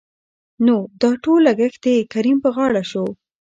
نو دا ټول لګښت دکريم په غاړه شو.